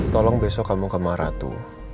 tolong besok kamu ke maratu